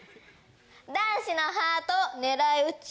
男子のハートを狙い撃ち。